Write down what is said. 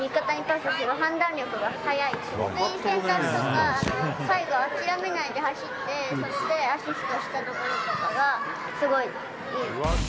スペイン戦とか、最後、諦めないで走って、そしてアシストしたところとかがすごいいい。